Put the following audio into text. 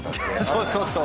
そうそうそう！